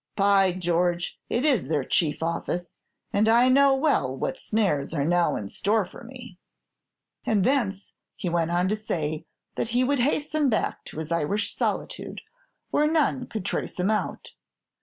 By George! it is their chief office, and I know well what snares are now in store for me.' "And thence he went on to say that he would hasten back to his Irish solitude, where none could trace him out.